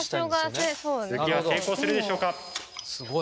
次は成功するでしょうか。